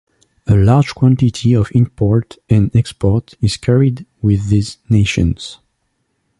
A large quantity of import and export is carried with these nations.